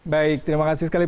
baik terima kasih sekali